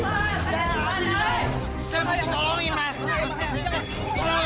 ada asep ya